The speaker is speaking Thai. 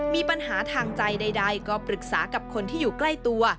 มีปัญหาทางใจใดก็ปรึกษากับคนที่อยู่ใกล้ตัว